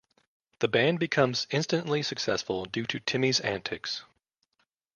The band becomes instantly successful due to Timmy's antics.